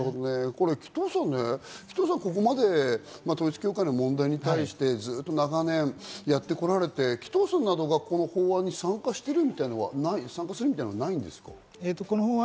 紀藤さん、ここまで統一教会の問題に対してずっと長年やってこられて紀藤さんなどがこの法案に参加していくみたいなのはないんですか？